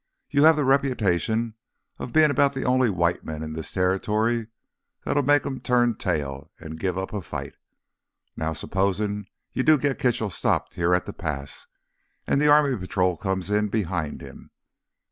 You have the reputation of being about the only white man in this territory to make them turn tail and give up a fight. Now—supposin' you do get Kitchell stopped here at the pass—and the army patrol comes in behind him.